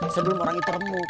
sebelum orang itu remuk